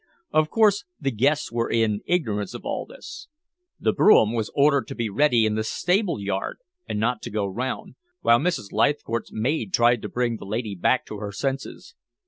Of course, the guests were in ignorance of all this. The brougham was ordered to be ready in the stable yard and not to go round, while Mrs. Leithcourt's maid tried to bring the lady back to her senses.